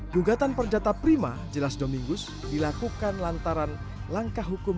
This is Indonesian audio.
dugatan perjata prima jelas domingus dilakukan lantaran langkah hukum